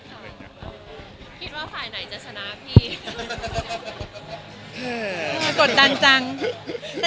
คิดว่าฝ่ายไหนจะชนะพี่